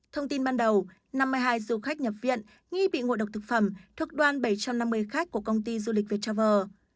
thông tin ban đầu năm mươi hai du khách nhập viện nghi bị ngộ độc thực phẩm thuộc đoàn bảy trăm năm mươi khách của công ty du lịch viettravel